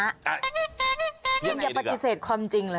อย่าปฏิเสธความจริงเลย